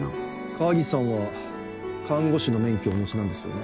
川岸さんは看護師の免許をお持ちなんですよね？